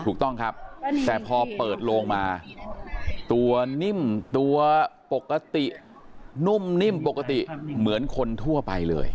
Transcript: ถูกต้องครับแต่พอเปิดโลงมาตัวนิ่มตัวปกตินุ่มนิ่มปกติเหมือนคนทั่วไปเลย